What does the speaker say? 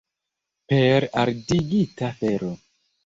Per ardigita fero!